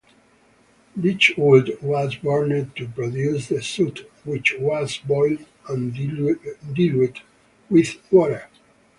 Beechwood was burned to produce the soot, which was boiled and diluted with water.